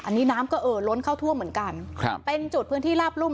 อันนี้น้ำก็เอ่อล้นเข้าท่วมเหมือนกันครับเป็นจุดพื้นที่ลาบรุ่ม